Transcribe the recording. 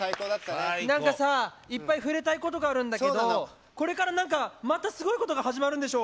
何かさいっぱい触れたいことがあるんだけどこれから何かまたすごいことが始まるんでしょ？